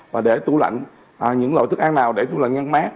và để tủ lạnh những loại thức ăn nào để tủ lạnh ngăn mát